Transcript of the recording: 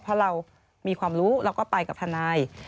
เพราะเรามีความรู้เราก็ไปกับทนาย